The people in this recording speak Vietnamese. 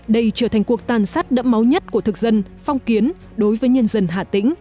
đây trở thành cuộc tàn sát đẫm máu nhất của thực dân phong kiến đối với nhân dân hà tĩnh